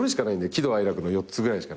喜怒哀楽の４つぐらいしか。